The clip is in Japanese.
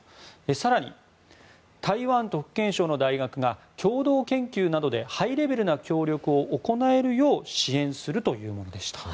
更に台湾と福建省の大学が共同研究などでハイレベルな協力を行えるよう支援するというものでした。